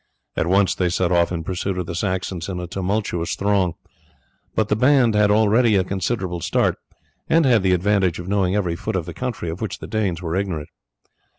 At once they set off in pursuit of the Saxons in a tumultuous throng; but the band had already a considerable start, and had the advantage of knowing every foot of the country, of which the Danes were ignorant.